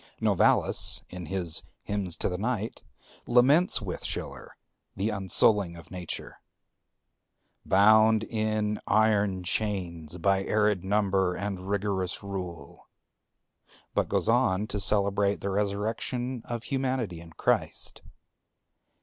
Novalis in his "Hymns to the Night" laments with Schiller the unsouling of Nature, "bound in iron chains by arid number and rigorous rule;" but goes on to celebrate the resurrection of Humanity in Christ.